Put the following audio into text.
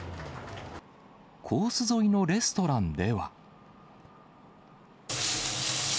コース沿いのレストランでは。